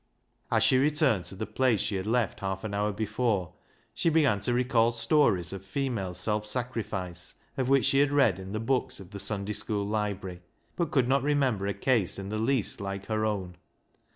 As she returned to the place she had left half an hour before, she began to recall stories of female self sacrifice of which she had read in the books of the Sunday school library, but could not remember a case in the least like her own.